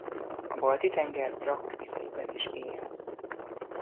A Balti-tenger brakkvizeiben is él.